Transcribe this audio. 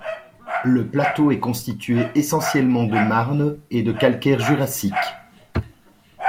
Le plateau est constitué essentiellement de marnes et de calcaire Jurassique.